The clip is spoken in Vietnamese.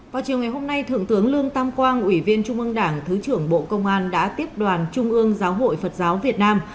vào chiều ngày hôm nay thượng tướng lương tam quang ủy viên trung ương đảng thứ trưởng bộ công an đã tiếp đoàn trung ương giáo hội phật giáo việt nam